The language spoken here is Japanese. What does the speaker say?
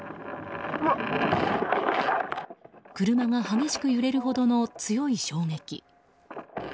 車が激しく揺れるほどの強い衝撃。